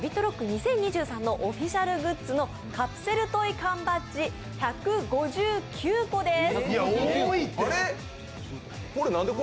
２０２３のオフィシャルグッズのカプセルトイ缶バッジ１５９個です。